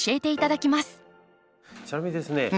ちなみにですね